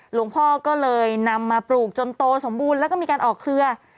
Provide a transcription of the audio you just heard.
หลวงพ่อก็เลยนำมาปลูกจนโตสมบูรณ์แล้วก็มีการออกเครือ